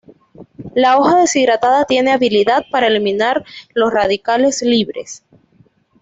La hoja deshidratada tiene habilidad para eliminar los radicales libres.